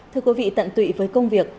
thưa quý vị tận tụy với công việc